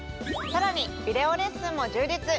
さらにビデオレッスンも充実。